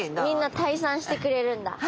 みんな退散してくれるんだ。